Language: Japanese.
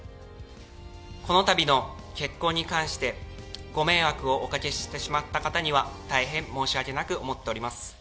このたびの結婚に関して、ご迷惑をおかけしてしまった方には大変申し訳なく思っております。